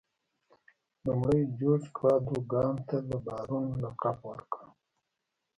لومړي جورج کادوګان ته د بارون لقب ورکړ.